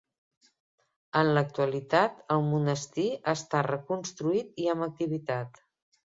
En l'actualitat, el monestir està reconstruït i amb activitat.